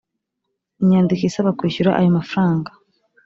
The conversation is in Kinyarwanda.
inyandiko isaba kwishyura ayo mafaranga